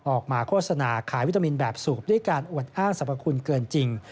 โฆษณาขายวิตามินแบบสูบด้วยการอวดอ้างสรรพคุณเกินจริง